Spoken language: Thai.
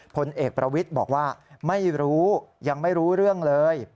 ผลเอกประวิทย์บอกว่าไม่รู้ยังไม่รู้เรื่องเลย